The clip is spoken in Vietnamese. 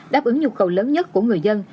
đáp ứng nhu cầu lớn nhất của người dân